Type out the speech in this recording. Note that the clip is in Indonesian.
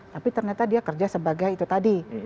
tapi ternyata dia kerja sebagai itu tadi